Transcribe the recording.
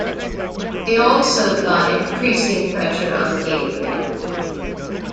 They also got increasing pressure on Gabriel.